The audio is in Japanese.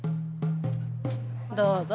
どうぞ。